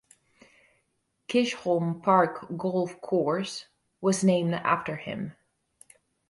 Chisholm Park Golf Course was named after him.